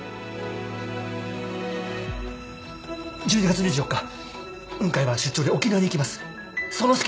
１２月２４日雲海は出張で沖縄に行きます。